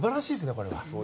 これは。